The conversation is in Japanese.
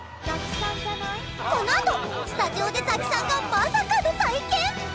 このあとスタジオでザキさんがまさかの体験！